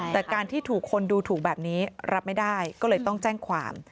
แต่การที่ถูกคนดูถูกแบบนี้รับไม่ได้ก็เลยต้องแจ้งความ